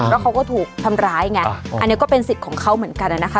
แล้วเขาก็ถูกทำร้ายไงอันนี้ก็เป็นสิทธิ์ของเขาเหมือนกันนะคะ